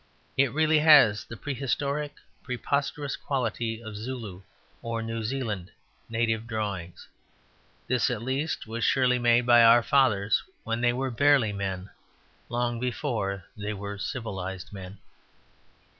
It really has the prehistoric, preposterous quality of Zulu or New Zealand native drawings. This at least was surely made by our fathers when they were barely men; long before they were civilized men.